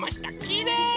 きれい！